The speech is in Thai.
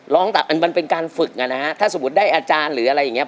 มันเป็นการฝึกอ่ะนะฮะถ้าสมมุติได้อาจารย์หรืออะไรอย่างเงี้